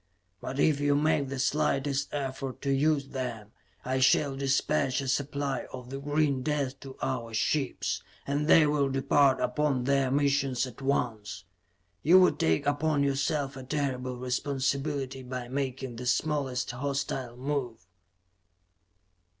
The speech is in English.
But if you make the slightest effort to use them, I shall dispatch a supply of the green death to our ships, and they will depart upon their missions at once. You would take upon yourself a terrible responsibility by making the smallest hostile move.